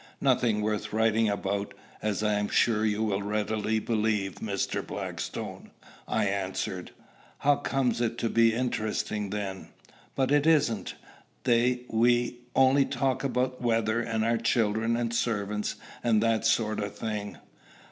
"Nothing worth writing about, as I am sure you will readily believe, Mr. Blackstone," I answered. "How comes it to be interesting, then?" "But it isn't. They we only talk about the weather and our children and servants, and that sort of thing."